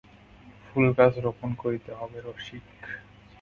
ফুলগাছ রোপণ করতে হবে– রসিক।